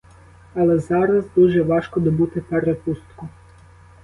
Але зараз дуже важко добути перепустку.